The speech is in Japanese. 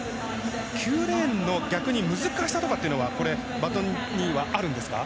９レーンの難しさというのは逆にバトンにはあるんですか？